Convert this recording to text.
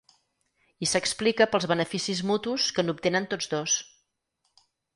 I s’explica pels beneficis mutus que n’obtenen tots dos.